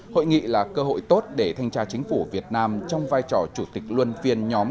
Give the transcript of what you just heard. hội nghị là cơ hội tốt để thanh tra chính phủ việt nam trong vai trò chủ tịch luân phiên nhóm